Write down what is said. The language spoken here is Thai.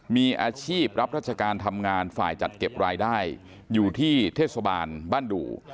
มีอาชีพรับราชการทำงานฝ่ายจัดเก็บรายได้อยู่ที่เทศบาลบ้านดู